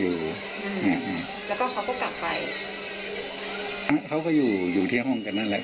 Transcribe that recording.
อยู่อืมแล้วก็เขาก็กลับไปเขาก็อยู่อยู่ที่ห้องกันนั่นแหละ